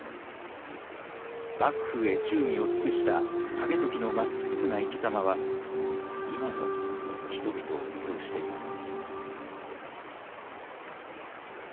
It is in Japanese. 幕府へ忠義を尽くした景時のまっすぐな生きざまは今も人々を魅了しています。